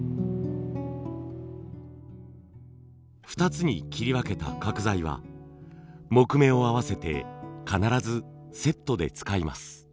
２つに切り分けた角材は木目を合わせて必ずセットで使います。